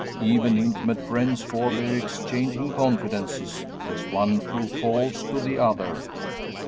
Even intimate friends forbear exchanging confidences, lest one prove false to the other!